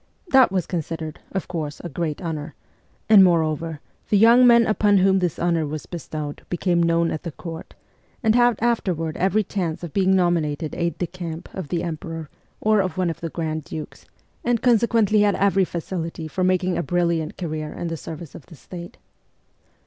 That was considered, of course, a great honour ; and, moreover, the young men upon whom this honour was bestowed became known at the court, and had afterward every chance of being nominated aides de camp of the emperor or of one of the grand dukes, and consequently had every facility for making o 2 84 MEMOIRS OF A REVOLUTIONIST a brilliant career in the service of the State.